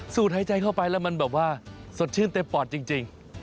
หายใจเข้าไปแล้วมันแบบว่าสดชื่นเต็มปอดจริง